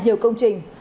đó là công tác cháy cháy